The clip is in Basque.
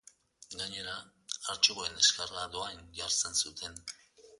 Gainera, artxiboen deskarga dohain jartzen zuten.